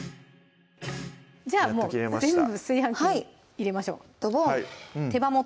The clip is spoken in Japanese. じゃあもう全部炊飯器に入れましょう手羽元